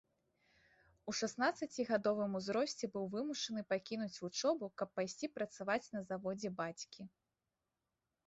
У шаснаццацігадовым узросце быў вымушаны пакінуць вучобу, каб пайсці працаваць на заводзе бацькі.